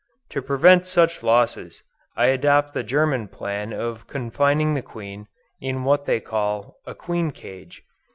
To prevent such losses, I adopt the German plan of confining the queen, in what they call, "a queen cage."